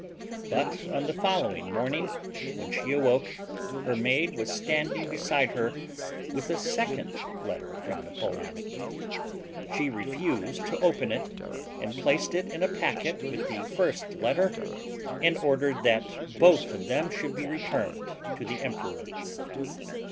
But on the following morning when she awoke her maid was standing beside her with a second letter from Napoleon. She refused to open it and placed it in a packet with the first letter, and ordered that both of them should be returned to the emperor.